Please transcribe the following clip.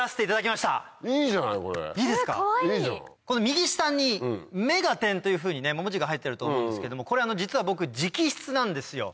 右下に「目がテン！」というふうに文字が入ってると思うんですけどもこれ実は僕直筆なんですよ。